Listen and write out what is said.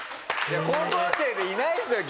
高校生でいないですよ